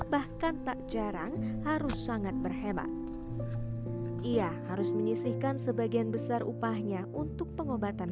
bahkan tak jarang harus sangat berhemat ia harus menyisihkan sebagian besar upahnya untuk pengobatan